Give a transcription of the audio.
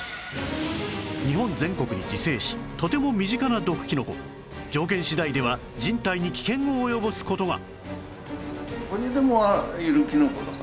日本全国に自生しとても身近な毒キノコ条件次第では人体に危険を及ぼす事が